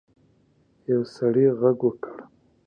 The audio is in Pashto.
یو سړي غږ وکړ.